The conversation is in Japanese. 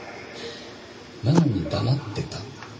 なのに黙ってた。